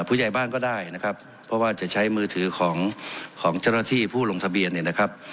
ผู้ใหญ่บ้านก็ได้นะครับเพราะว่าจะใช้มือถือของของเจ้าหน้าที่ผู้ลงทะเบียนเนี่ยนะครับ